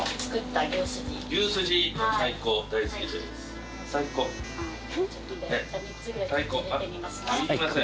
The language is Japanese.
あっすいません。